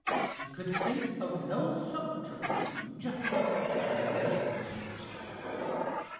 He could think of no subterfuge to delay matters.